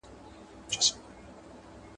• تر مازي ولاړي، په خرپ نړېدلې ښه ده.